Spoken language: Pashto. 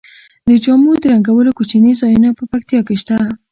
د جامو د رنګولو کوچني ځایونه په پکتیا کې شته.